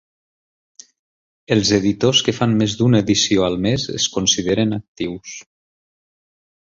Els editors que fan més d'una edició al mes es consideren actius.